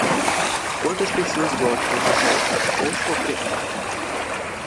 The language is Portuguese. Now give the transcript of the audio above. Quantas pessoas gostam de rosa, roxo ou preto?